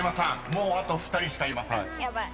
もうあと２人しかいません］